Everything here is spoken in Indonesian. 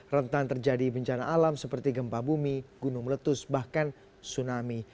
rentan terjadi bencana alam seperti gempa bumi gunung meletus bahkan tsunami